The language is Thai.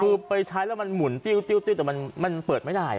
คือไปใช้แล้วมันหมุนติ้วแต่มันเปิดไม่ได้